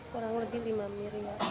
berapa satu miliaran